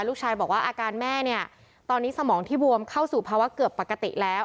ลูกชายบอกว่าอาการแม่เนี่ยตอนนี้สมองที่บวมเข้าสู่ภาวะเกือบปกติแล้ว